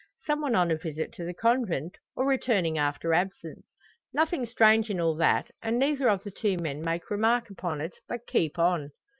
Some one on a visit to the Convent, or returning after absence. Nothing strange in all that; and neither of the two men make remark upon it, but keep on.